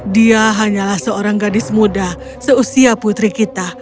dia hanyalah seorang gadis muda seusia putri kita